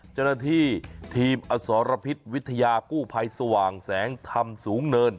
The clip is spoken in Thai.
เจ้าหน้าที่ทีมอสรพิษวิทยากู้ภัยสว่างแสงธรรมสูงเนิน